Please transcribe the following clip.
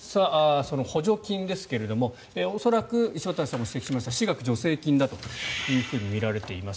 その補助金ですが恐らく石渡さんも指摘しました私学助成金だとみられています。